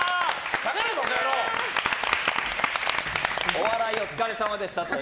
お笑いお疲れさまでした。